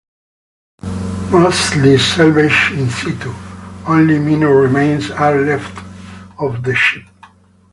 Mostly salvaged in situ, only minor remains are left of the ship.